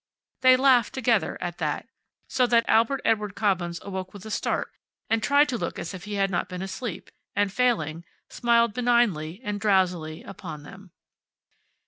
They laughed together at that, so that Albert Edward Cobbins awoke with a start and tried to look as if he had not been asleep, and failing, smiled benignly and drowsily upon them.